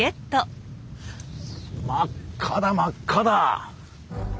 真っ赤だ真っ赤だ。